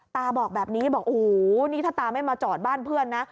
ตาบอกแบบนี้บอกโอ้โหนี่ถ้าตาไม่มาจอดบ้านเพื่อนนะ